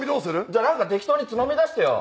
じゃあなんか適当につまみ出してよ。